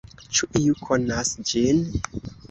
Ĉu iu konas ĝin?